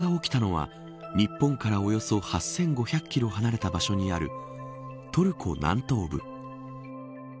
地震が起きたのは日本から、およそ８５００キロ離れた場所にあるトルコ南東部。